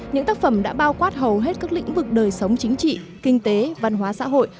những tác phẩm đã bao quát hầu hết các lĩnh vực đời sống chính trị kinh tế văn hóa xã hội